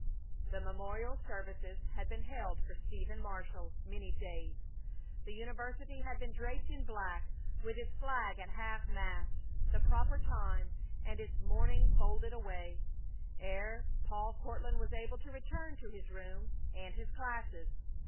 The memorial services had been held for Stephen Marshall many days, the university had been draped in black, with its flag at half mast, the proper time, and its mourning folded away, ere Paul Courtland was able to return to his room and his classes.